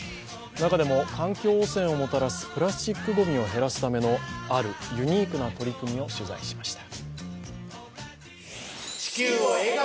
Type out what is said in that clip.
中でも環境汚染をもたらすプラスチックゴミを減らすためのあるユニークな取り組みを取材しました。